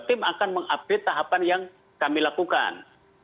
tim akan mengupdate tahapan yang kami lakukan